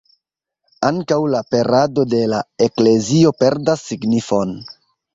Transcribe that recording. Ankaŭ la perado de la Eklezio perdas signifon.